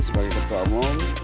sebagai ketua umum